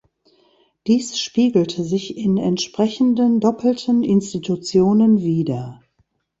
Dies spiegelte sich in entsprechenden doppelten Institutionen wider.